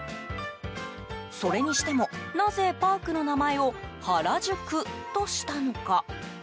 それにしても、なぜパークの名前を原宿としたのか。